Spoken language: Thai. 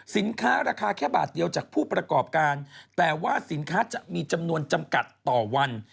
สินค้าราคาแค่บาทเดียวจากผู้ประกอบการแต่ว่าสินค้าจะมีจำนวนจำกัดต่อวัน